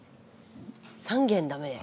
３軒駄目で。